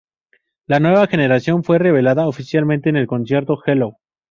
La nueva generación fue revelada oficialmente en el concierto "Hello!